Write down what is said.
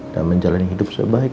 dan menjalani hidup sebaik